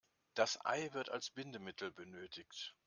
Das Ei wird als Bindemittel benötigt.